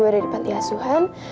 saya masih masih